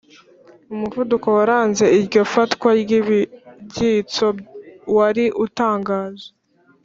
umuvuduko waranze iryo fatwa ry'ibyitso wari utangaje.